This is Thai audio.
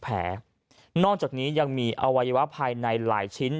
นอกจากนี้ยังมีอวัยวะภายในหลายชิ้น